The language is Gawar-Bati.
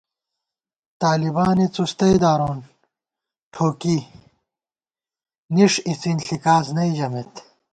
طالبانےڅوستئ دارون، ٹھوکی، نِݭ اِڅِن ݪِکاس نئ ژمېت